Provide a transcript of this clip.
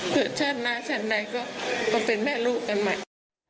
เผื่อชาติหน้าชาติในก็เป็นแม่ลูกกันใหม่